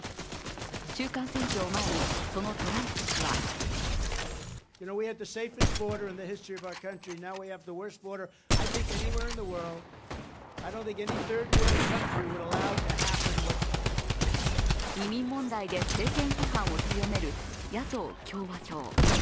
中間選挙を前にそのトランプ氏は移民問題で政権批判を強める野党・共和党。